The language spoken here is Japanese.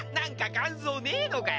感想ねぇのかよ。